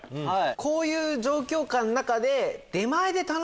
こういう状況下で。